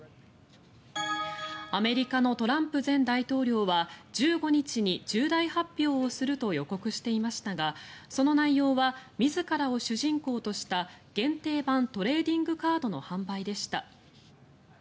アメリカのトランプ前大統領は１５日に重大発表をすると予告していましたがその内容は自らを主人公とした限定版トレーディングカードの販売でした。